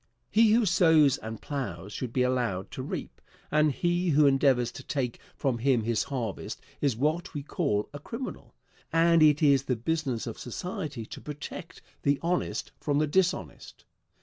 He who sows and plows should be allowed to reap, and he who endeavors to take from him his harvest is what we call a criminal; and it is the business of society to protect the honest from the dishonest.